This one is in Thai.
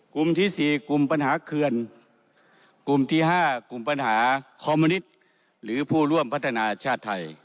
กลุ่มที่สี่กลุ่มปัญหาเคลื่อนกลุ่มที่ห้ากลุ่มปัญหาคอมมูนิต